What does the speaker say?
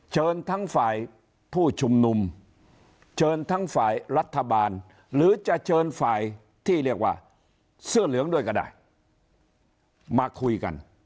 เชิญทั้งฝ่ายผู้ชุมนุมเชิญทั้งฝ่ายรัฐบาลหรือจะเชิญฝ่ายที่เรียกว่าเสื้อเหลืองด้วยก็ได้มาคุยกัน